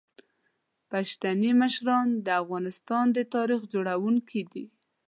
پښتني مشران د افغانستان د تاریخ جوړونکي دي.